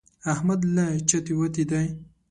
احمد له چتې وتی دی.